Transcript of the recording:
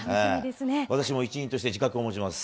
私も一員として自覚を持ちます。